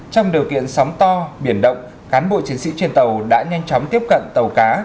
trong điều kiện sóng to biển động cán bộ chiến sĩ trên tàu đã nhanh chóng tiếp cận tàu cá